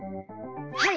はい！